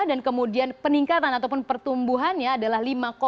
dan kemudian peningkatan ataupun pertumbuhannya adalah